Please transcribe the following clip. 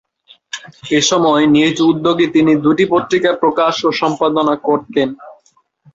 এসময় নিজ উদ্যোগে তিনি দুটি পত্রিকা প্রকাশ ও সম্পাদনা করতেন।